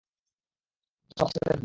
আর, সবাই একসাথেই থাকবো।